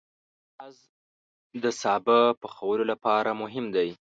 پیاز د سابه پخولو لپاره مهم دی